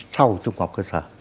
sau trung học cơ sở